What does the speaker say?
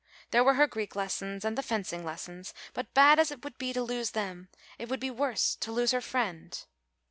There were her Greek lessons and the fencing lessons, but bad as it would be to lose them it would be worse to lose her friend.